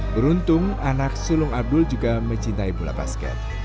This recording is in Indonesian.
beruntung anak sulung abdul juga mencintai bola basket